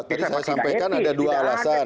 jadi saya sampaikan ada dua alasan